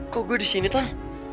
kok gue di sini toh